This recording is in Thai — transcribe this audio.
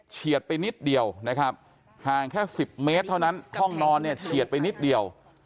เฉียดไปนิดเดียวนะครับห่างแค่๑๐เมตรเท่านั้นห้องนอนเนี่ยเฉียดไปนิดเดียว